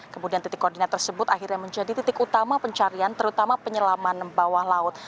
kemudian titik koordinat tersebut akhirnya menjadi titik utama pencarian terutama penyelaman bawah laut